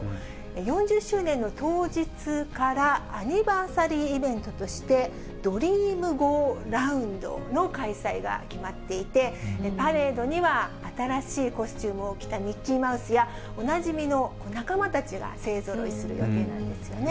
４０周年の当日から、アニバーサリーイベントとして、ドリームゴーラウンドの開催が決まっていて、パレードには新しいコスチュームを着たミッキーマウスや、おなじみの仲間たちが勢ぞろいする予定なんですよね。